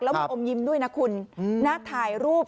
แล้วมีอมยิ้มด้วยนะคุณน่าถ่ายรูป